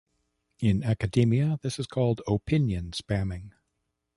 In academia, this is called "opinion spamming".